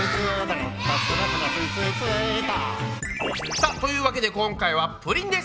さあというわけで今回はプリンです！